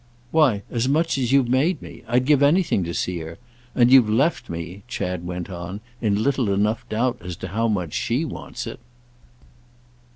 "Why as much as you've made me. I'd give anything to see her. And you've left me," Chad went on, "in little enough doubt as to how much she wants it."